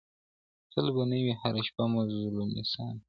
تل به نه وي هره شپه مظلومي ساندي